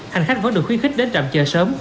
hành khách vẫn được khuyến khích đến trạm chờ sớm